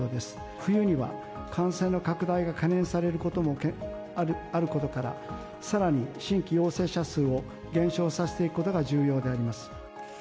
冬には感染の拡大が懸念されることもあることから、さらに新規陽性者数を減少させていくことが重要であります。